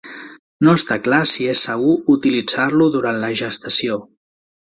No està clar si és segur utilitzar-lo durant la gestació.